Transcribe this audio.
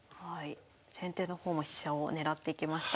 先手の方も飛車を狙ってきました。